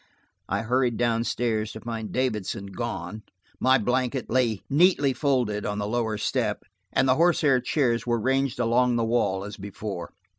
I hurried down stairs to find Davidson gone. My blanket lay neatly folded, on the lower step, and the horsehair chairs were ranged along the wall as before.